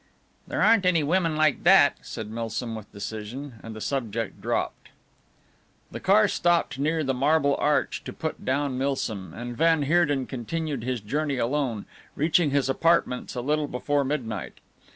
"There aren't any women like that," said Milsom with decision, and the subject dropped. The car stopped near the Marble Arch to put down Milsom, and van Heerden continued his journey alone, reaching his apartments a little before midnight.